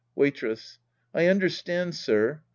Waitress. I understand, sir.